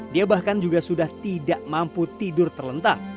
dia bahkan juga sudah tidak mampu tidur terlentang